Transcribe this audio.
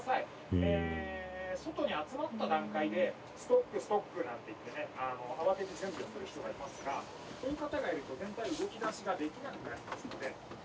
えー外に集まった段階でストックストックなんていってね慌てて準備をする人がいますがそういう方がいると全体動きだしができなくなりますので。